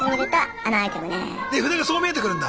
値札がそう見えてくるんだ。